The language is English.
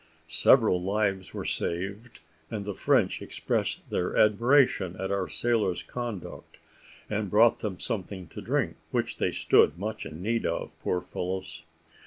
Several lives were saved, and the French expressed their admiration at our sailors' conduct, and brought them something to drink, which they stood much in need of, poor fellows.